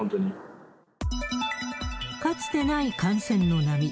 かつてない感染の波。